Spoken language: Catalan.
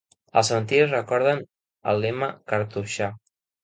Els cementiris recorden el lema cartoixà.